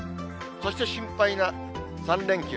そして心配な３連休。